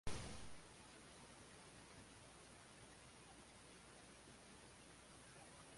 Los efectos de la guerra contra la Iglesia fueron profundos.